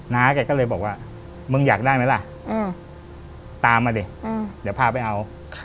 น้าแกก็เลยบอกว่ามึงอยากได้ไหมล่ะตามมาดิเดี๋ยวพาไปเอา